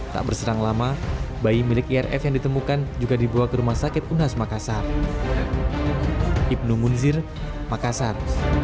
tak berserang lama bayi milik irf yang ditemukan juga dibawa ke rumah sakit unas makassar